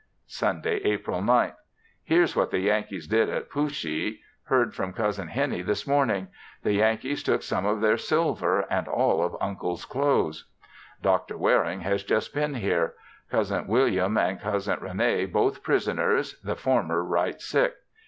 Sunday, April 9th. Here's what the Yankees did at Pooshee. Heard from Cousin Hennie this morning. The Yankees took some of their silver and all of Uncle's clothes. Dr. Waring has just been here; Cousin William and Cousin Rene both prisoners, the former right sick.